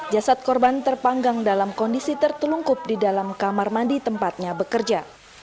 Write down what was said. jasad korban terpanggang dalam kondisi tertelungkup di dalam kamar mandi tempatnya bekerja